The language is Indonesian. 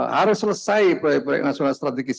harus selesai proyek proyek nasional strategis